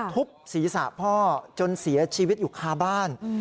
ทุบศีรษะพ่อจนเสียชีวิตอยู่คาบ้าน